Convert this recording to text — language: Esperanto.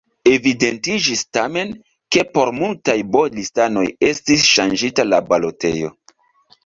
Evidentiĝis tamen, ke por multaj B-listanoj estis ŝanĝita la balotejo.